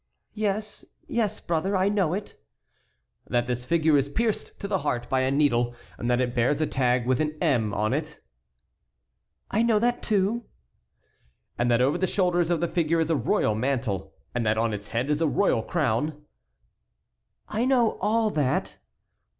"Yes, yes, brother, I know it." "That this figure is pierced to the heart by a needle, and that it bears a tag with an 'M' on it?" "I know that, too." "And that over the shoulders of the figure is a royal mantle, and that on its head is a royal crown?" "I know all that."